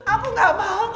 aku gak mau